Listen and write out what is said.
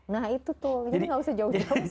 nah itu tuh jadi gak usah jauh jauh